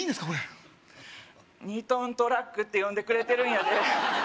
これ２トントラックって呼んでくれてるんやで